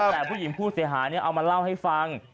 แต่ผู้หญิงผู้เสียหายเอามาเล่าให้ฟัง